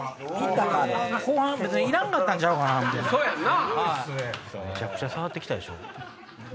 後半別にいらんかったんちゃうかな？